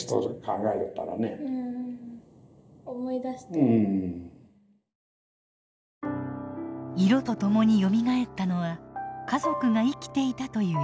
へえあっこの色とともによみがえったのは家族が生きていたという実感。